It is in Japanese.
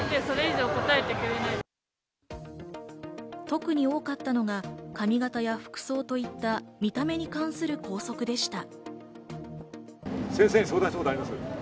特に多かったのが髪形や服装といった見た目に関する校則でした。